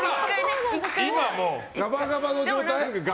今、ガバガバの状態。